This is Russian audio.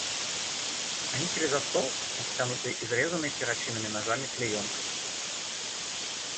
Они сели за стол, обтянутый изрезанною перочинными ножами клеенкой.